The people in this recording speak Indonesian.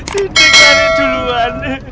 sidik lari duluan